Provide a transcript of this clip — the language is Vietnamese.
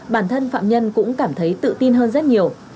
bản thân phạm nhân cũng cảm thấy tự tin hơn rất nhiều